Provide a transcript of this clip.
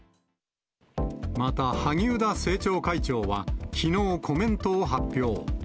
また、萩生田政調会長はきのう、コメントを発表。